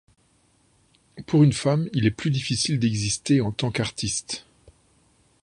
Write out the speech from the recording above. Pour une femme, il est plus difficile d'exister en tant qu'artiste.